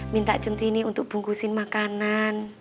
minta cinti ini untuk bungkusin makanan